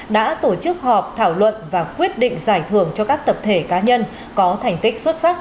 đã tổ chức họp thảo luận và quyết định giải thưởng cho các tập thể cá nhân có thành tích xuất sắc